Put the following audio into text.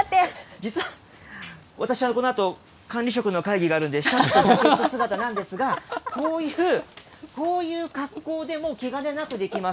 実は私はこのあと、管理職の会議があるんで、シャツとスーツ姿なんですが、こういう格好でも気兼ねなくできます。